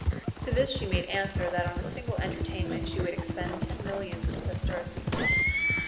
To this she made answer, that on a single entertainment she would expend ten millions ^"^ of sesterces.